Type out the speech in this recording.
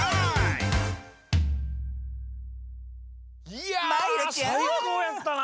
いやさいこうやったな。